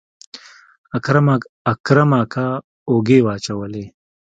اکرم اکا اوږې واچولې.